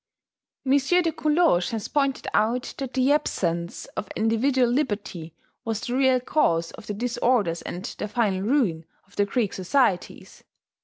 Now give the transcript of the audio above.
M. de Coulanges has pointed out* that the absence of individual liberty was the real cause of the disorders and the final ruin of the Greek societies.